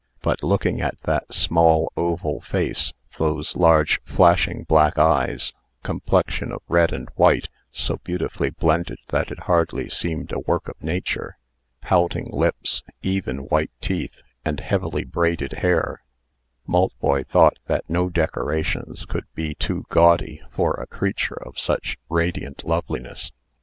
But, looking at that small, oval face, those large, flashing black eyes, complexion of red and white, so beautifully blended that it hardly seemed a work of nature, pouting lips, even, white teeth, and heavily braided hair, Maltboy thought that no decorations could be too gaudy for a creature of such radiant loveliness.